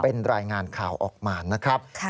เป็นรายงานข่าวออกมานะครับ